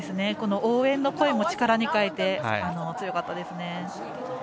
応援の声も力に変えて強かったですね。